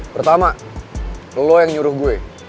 pertama lo yang nyuruh gue